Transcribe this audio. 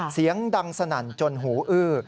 เสียงดังสนั่นจนหูอื้อ